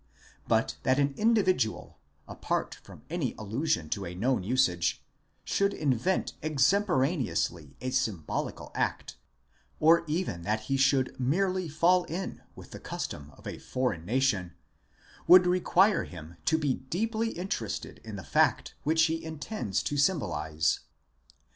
8 But that an individual, apart from any allusion to a known usage, should invent extemporaneously a symbolical act, or even that he should merely fall in with the custom of a foreign nation, would require him to be deeply interested in the fact which he intends to symbolize.